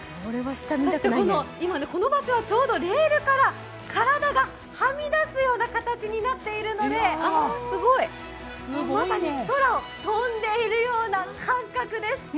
そしてこの場所はちょうどレールから体がはみ出すような形になっているので、まさに空を飛んでいるような感覚です。